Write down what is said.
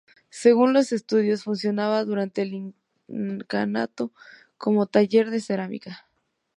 Según los estudios funcionaba durante el incanato como taller de cerámica.